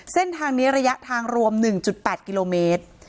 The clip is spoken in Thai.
เส้นทางนี้ระยะทางรวม๑๘กิโลเมตร